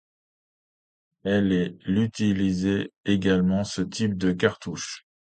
L' et l' utilisaient également ce type de cartouche.